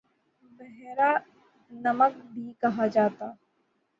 بحیرہ نمک بھی کہا جاتا ہے